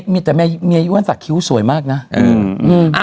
มีแต่เมียอ้วนสักคิ้วสวยมากนะ